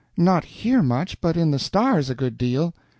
Not here much, but in the stars a good deal."